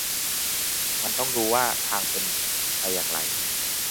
มันต้องดูว่าทางเป็นอย่างไร